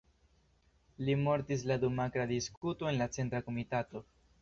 Li mortis la dum akra diskuto en la Centra Komitato.